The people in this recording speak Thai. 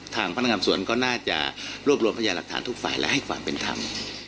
ทางพนักงานสวนก็น่าจะรวบรวมพยาหลักฐานทุกฝ่ายและให้ความเป็นธรรม